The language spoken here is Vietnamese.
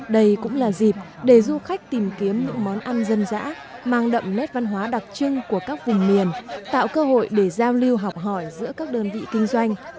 đây cũng là dịp để du khách tìm kiếm những món ăn dân dã mang đậm nét văn hóa đặc trưng của các vùng miền tạo cơ hội để giao lưu học hỏi giữa các đơn vị kinh doanh